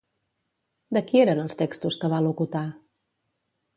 De qui eren els textos que va locutar?